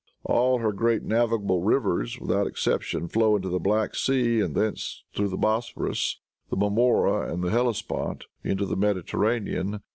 All her great navigable rivers, without exception, flow into the Black Sea, and thence through the Bosporus, the Marmora and the Hellespont, into the Mediterranean.